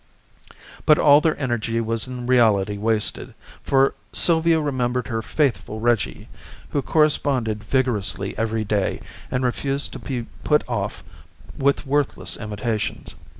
But all their energy was in reality wasted, for Sylvia remembered her faithful Reggie, who corresponded vigorously every day, and refused to be put off with worthless imitations.